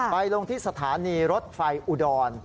ลงที่สถานีรถไฟอุดร